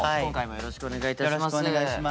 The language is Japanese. よろしくお願いします。